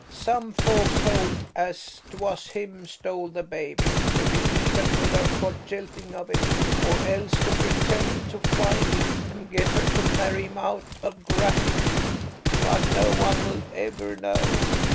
Some folks hold as 'twas him stole the baby, to be even with her for jilting of him, or else to pretend to find it and get her to marry him out of gratitude. But no one'll ever know.